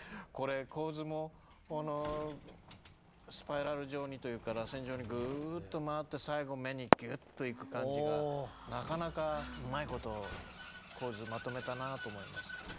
これ構図もこのスパイラル状にというからせん状にぐっと回って最後目にぎゅっといく感じがなかなかうまいこと構図まとめたなと思います。